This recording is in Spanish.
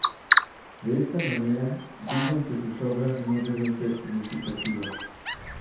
De esta manera, dicen que sus obras no deben ser significativas.